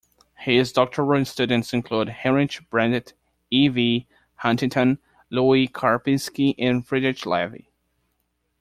His doctoral students include Heinrich Brandt, E. V. Huntington, Louis Karpinski, and Friedrich Levi.